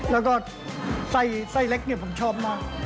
แล้วก็ไส้เล็กผมชอบมาก